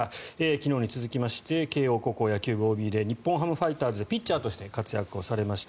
昨日に続きまして慶応高校野球部ＯＢで日本ハムファイターズでピッチャーとして活躍をされました